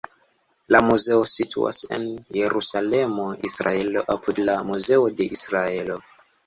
La muzeo situas en Jerusalemo, Israelo, apud la Muzeo de Israelo.